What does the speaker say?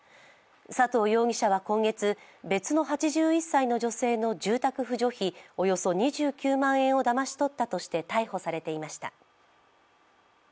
佐藤容疑者は今月、別の８１歳の女性の住宅扶助費およそ２９万円をだまし取ったとして逮捕されていました。